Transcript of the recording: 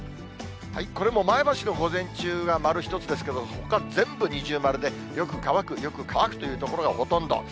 これも前橋の午前中が丸１つですけど、ほか全部二重丸で、よく乾く、よく乾くという所がほとんど。